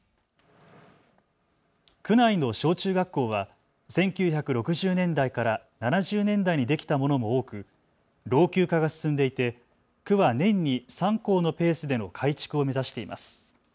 区内の小中学校は１９６０年代から７０年代にできたものも多く老朽化が進んでいて区は年に３校のペースでの改築を目指しています。